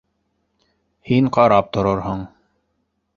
— Һин ҡарап торорһоң.